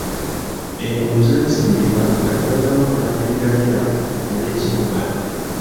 Enguudo zaazimbibwa nga tebanaba kulangirira Lira nga ekibuga.